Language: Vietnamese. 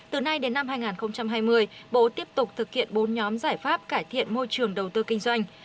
từ nay đến năm hai nghìn hai mươi bộ tiếp tục thực hiện bốn nhóm giải pháp cải thiện môi trường đầu tư kinh doanh